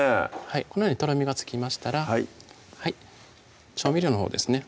このようにとろみがつきましたら調味料のほうですね